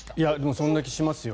そんな気しますよ。